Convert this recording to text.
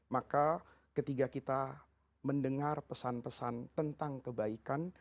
maka ketika kita mendengar pesan pesan tentang kebaikan